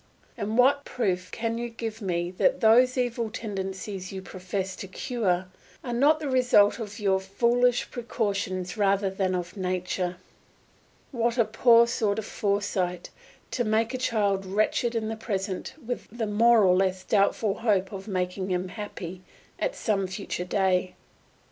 And what proof can you give me that those evil tendencies you profess to cure are not the result of your foolish precautions rather than of nature? What a poor sort of foresight, to make a child wretched in the present with the more or less doubtful hope of making him happy at some future day.